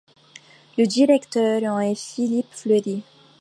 Le directeur en est Philippe Fleury.